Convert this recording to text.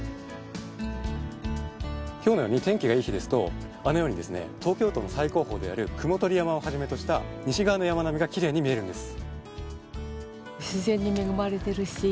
今日のように天気がいい日ですとあのようにですね東京都の最高峰である雲取山をはじめとした西側の山並みがきれいに見えるんです。